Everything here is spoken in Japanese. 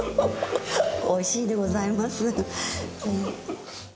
おいしいでございますはい。